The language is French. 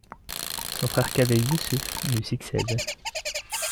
Son frère cadet Yûsuf lui succède.